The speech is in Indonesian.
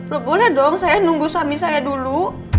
loh boleh dong saya nunggu suami saya dulu